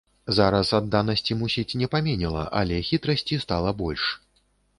Зараз адданасці, мусіць, не паменела, але хітрасці стала больш.